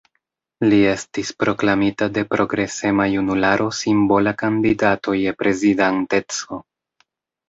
Li estis proklamita de progresema junularo simbola kandidato je Prezidanteco.